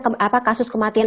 atau banyak apa kasus kematian